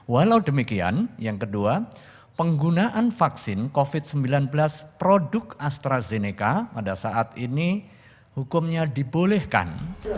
walau demikian yang kedua penggunaan vaksin covid sembilan belas produk astrazeneca pada saat ini hukumnya dibolehkan